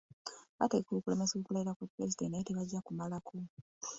Bategeka okulemesa okulayira kwa Pulezidenti naye tebajja kumalako.